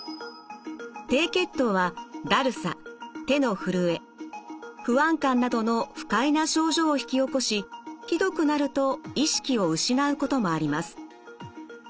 低血糖はだるさ手のふるえ不安感などの不快な症状を引き起こしひどくなると意識を失うこともあります。